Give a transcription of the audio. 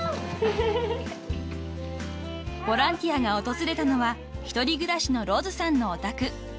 ［ボランティアが訪れたのは１人暮らしのロズさんのお宅］